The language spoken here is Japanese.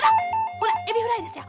ほらエビフライですよ。